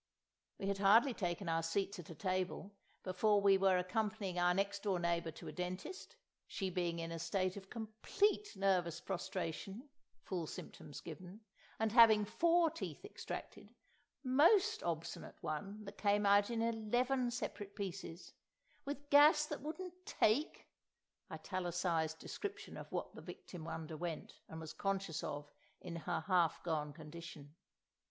We had hardly taken our seats at a table before we were accompanying our next door neighbour to a dentist, she being in a state of complete nervous prostration (full symptoms given), and having four teeth extracted (most obstinate one that came out in eleven separate pieces) with gas that wouldn't "take" (italicised description of what the victim underwent, and was conscious of, in her half gone condition).